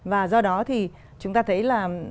và do đó thì chúng ta thấy là